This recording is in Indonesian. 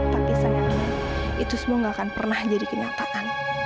tapi sayangnya itu semua gak akan pernah jadi kenyataan